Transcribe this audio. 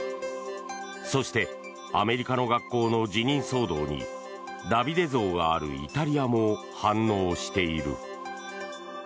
そしてアメリカの学校の辞任騒動にダビデ像があるイタリアも反応している。